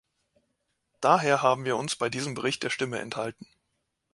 Daher haben wir uns bei diesem Bericht der Stimme enthalten.